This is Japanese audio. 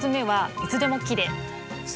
いつでもきれい？